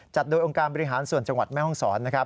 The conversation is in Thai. จัดโดยองค์การบริหารส่วนจังหวัดแม่ฮ่องศร